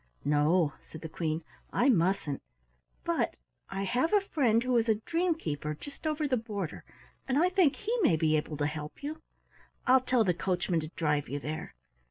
"No," said the Queen, "I mustn't, but I have a friend who is a dream keeper just over the border, and I think he may be able to help you. I'll tell the coachman to drive you there.